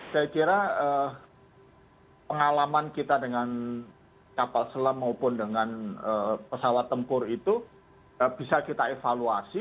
saya kira pengalaman kita dengan kapal selam maupun dengan pesawat tempur itu bisa kita evaluasi